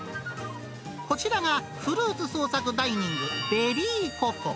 こちらがフルーツ創作ダイニング、ベリーココ。